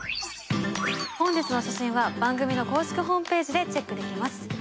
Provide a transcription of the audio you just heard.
本日の写真は番組の公式ホームページでチェックできます。